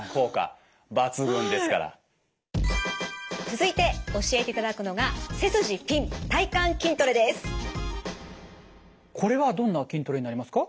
続いて教えていただくのがこれはどんな筋トレになりますか？